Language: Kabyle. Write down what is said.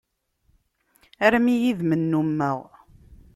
Armi yid-m nnumeɣ.